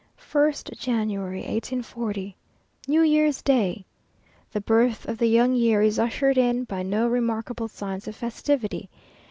1st January, 1840. New Year's Day! The birth of the young year is ushered in by no remarkable signs of festivity.